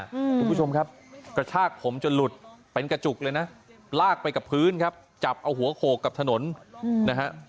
คุณผู้ชมครับกระชากผมจนหลุดเป็นกระจุกเลยนะลากไปกับพื้นครับจับเอาหัวโขกกับถนนนะฮะ